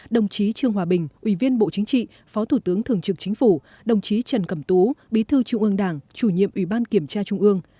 đồng chí trương hòa bình ủy viên bộ chính trị phó thủ tướng thường trực chính phủ đồng chí trần cẩm tú bí thư trung ương đảng chủ nhiệm ủy ban kiểm tra trung ương